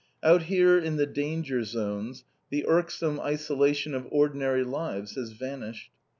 _ Out here in the danger zones, the irksome isolation of ordinary lives has vanished.